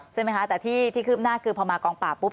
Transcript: ใช่ไหมคะแต่ที่คืบหน้าคือพอมากองปราบปุ๊